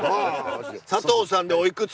佐藤さんでおいくつ？